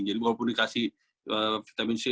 jadi walaupun dikasih vitamin c